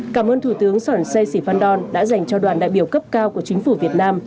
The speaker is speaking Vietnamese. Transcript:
cảm ơn thủ tướng sỏn sai sĩ phan đòn đã dành cho đoàn đại biểu cấp cao của chính phủ việt nam